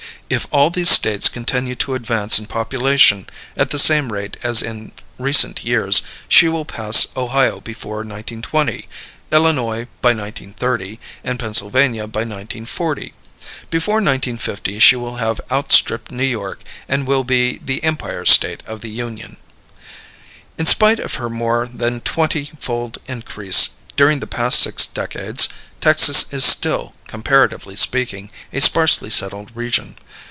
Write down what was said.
If all these States continue to advance in population at the same rate as in recent years, she will pass Ohio before 1920, Illinois by 1930, and Pennsylvania by 1940. Before 1950 she will have outstripped New York and will be the Empire State of the Union. In spite of her more than twenty fold increase during the past six decades, Texas is still, comparatively speaking, a sparsely settled region.